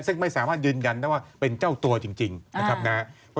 ซึ่งไม่สามารถยืนยันได้ว่าเป็นเจ้าตัวจริงนะครับ